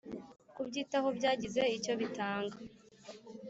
Kubyitaho byagize icyo bitanga